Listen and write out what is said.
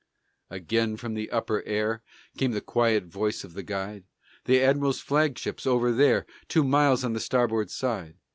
Again from the upper air Came the quiet voice of the guide: "The admiral's flagship's over there, Two miles on the starboard side.